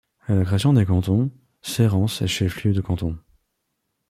À la création des cantons, Cérences est chef-lieu de canton.